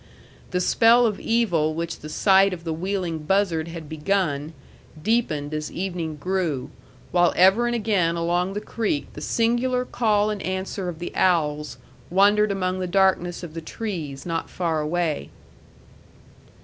The spell of evil which the sight of the wheeling buzzard had begun, deepened as evening grew, while ever and again along the creek the singular call and answer of the owls wandered among the darkness of the trees not far away.